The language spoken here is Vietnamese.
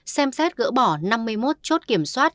xem xét gỡ bỏ năm mươi một chốt kiểm soát